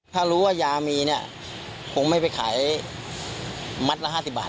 ถ้ารู้ว่ายามีเนี่ยคงไม่ไปขายมัดละ๕๐บาท